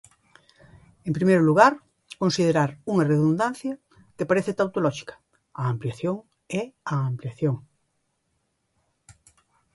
En primeiro lugar, considerar unha redundancia, que parece tautolóxica: a ampliación é a ampliación.